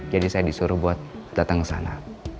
jadi saya disuruh buat datang ke sana